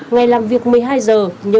ngay làm việc họ sẽ bị đánh đập